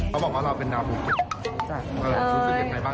เขาบอกว่าเราเป็นดาวภูเก็ต